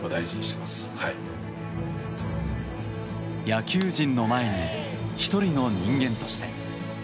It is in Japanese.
野球人の前に１人の人間として。